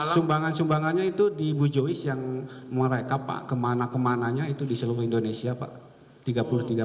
sumbangan sumbangannya itu di bujois yang mereka pak kemana kemananya itu di seluruh indonesia pak